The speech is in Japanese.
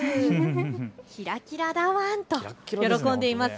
きらきらだワンと喜んでいます。